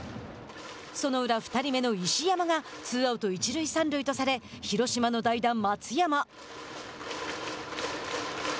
その裏、２人目の石山がツーアウト、一塁三塁とされ広島の代打松山。